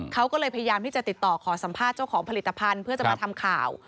เขาก็เลยพยายามที่จะติดต่อขอสัมภาษณ์เจ้าของผลิตภัณฑ์เพื่อจะมาทำข่าว